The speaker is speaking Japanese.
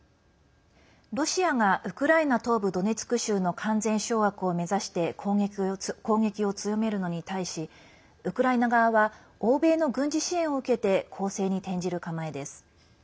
ロシアがウクライナ東部ドネツク州の完全掌握を目指して攻撃を強めるのに対しウクライナ側は欧米の軍事支援を受けて攻勢に転じる構えです。